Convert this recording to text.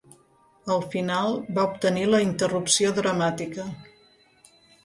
Al final va obtenir la interrupció dramàtica.